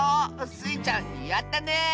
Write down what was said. スイちゃんやったね！